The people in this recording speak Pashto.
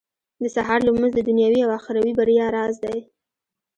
• د سهار لمونځ د دنيوي او اخروي بريا راز دی.